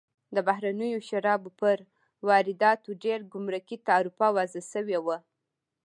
د بهرنیو شرابو پر وارداتو ډېر ګمرکي تعرفه وضع شوې وه.